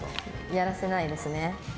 やらせないですね。